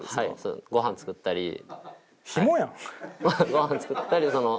ご飯作ったりその。